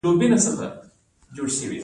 د لبنیاتو د پروسس فابریکې شته